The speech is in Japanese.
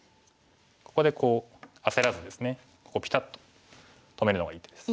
ここでこう焦らずですねピタッと止めるのがいい手です。